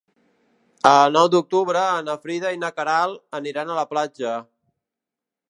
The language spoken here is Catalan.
El nou d'octubre na Frida i na Queralt aniran a la platja.